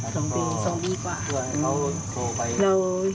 หรือว่าอยู่แล้วก็ขอเข้ามาเลย